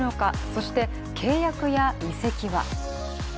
そして、契約や移籍は？